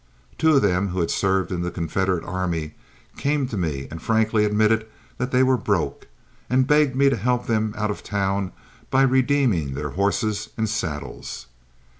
Two of them who had served in the Confederate army came to me and frankly admitted that they were broke, and begged me to help them out of town by redeeming their horses and saddles.